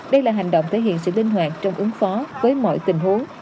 đây là hành động thể hiện sự linh hoạt trong ứng phó với mọi tình huống